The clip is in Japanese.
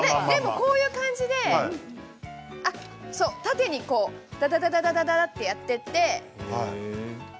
こういう感じで縦にだだだだだって、やっていって。